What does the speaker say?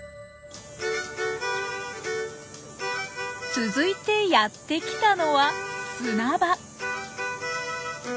続いてやって来たのは砂場。